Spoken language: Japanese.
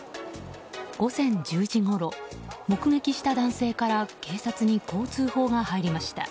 午前１０時ごろ目撃した男性から警察に、こう通報が入りました。